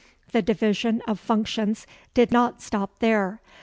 The division of functions did not stop there.